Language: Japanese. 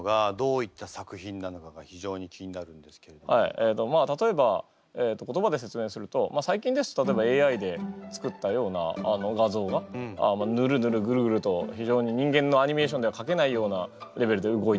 えっとまあ例えば言葉で説明すると最近ですと例えばＡＩで作ったような画像がヌルヌルグルグルと非常に人間のアニメーションではかけないようなレベルで動いてたりとか。